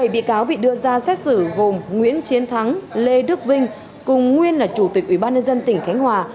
bảy bị cáo bị đưa ra xét xử gồm nguyễn chiến thắng lê đức vinh cùng nguyên là chủ tịch ủy ban nhân dân tỉnh khánh hòa